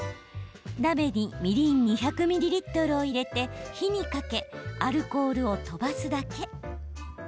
鍋に、みりん２００ミリリットルを入れて火にかけアルコールを飛ばすだけ。